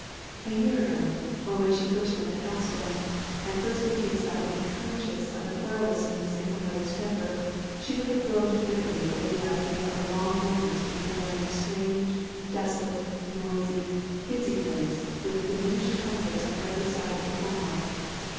A year ago, or when she first went to Helstone, and first became silently conscious of the querulousness in her mother's temper, she would have groaned bitterly over the idea of a long illness to be borne in a strange, desolate, noisy, busy place, with diminished comforts on every side of the home life.